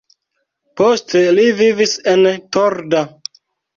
Poste li vivis en Torda.